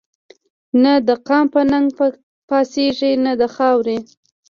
نه دقام په ننګ پا څيږي نه دخاوري